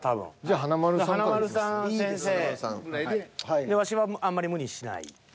華丸さん先生でワシはあんまり無理しない。